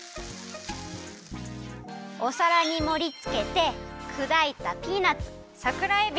おさらにもりつけてくだいたピーナツさくらえび